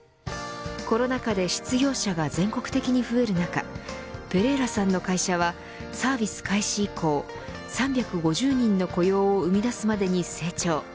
コロナ禍で失業者は全国的に増える中ペレイラさんの会社はサービス開始以降３５０人の雇用を生み出すまでに成長。